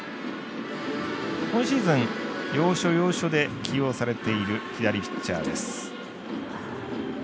今シーズン、要所要所で起用されている左ピッチャーです。